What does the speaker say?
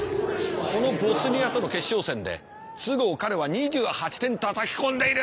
このボスニアとの決勝戦で都合彼は２８点たたき込んでいる！